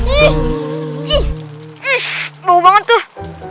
ih ih ih bau banget tuh